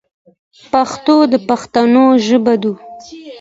پښتو د پښتنو ژبه دو.